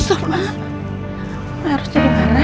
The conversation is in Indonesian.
astaga harus jadi parah